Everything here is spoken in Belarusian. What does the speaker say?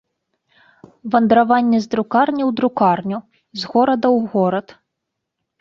Вандраванне з друкарні ў друкарню, з горада ў горад.